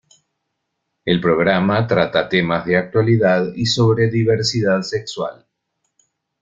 El programa trata temas de actualidad y sobre diversidad sexual.